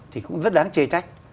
thì cũng rất đáng chê trách